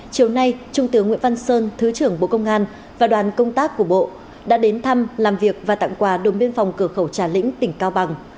chiều nay trung tướng nguyễn văn sơn thứ trưởng bộ công an và đoàn công tác của bộ đã đến thăm làm việc và tặng quà đồn biên phòng cửa khẩu trà lĩnh tỉnh cao bằng